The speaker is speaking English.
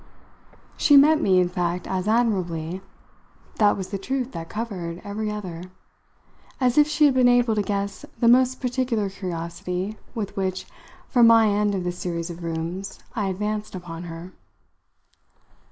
She met me in fact as admirably that was the truth that covered every other as if she had been able to guess the most particular curiosity with which, from my end of the series of rooms, I advanced upon her.